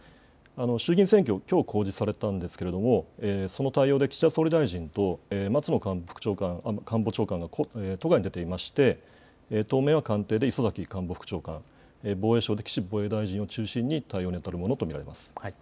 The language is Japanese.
衆議院選挙、きょう公示されたんですがその対応で岸田総理大臣と松野官房長官が都外に出ていまして当面は官邸で磯崎官房副長官、防衛省で岸防衛大臣を中心に対応にあたるものと見られます。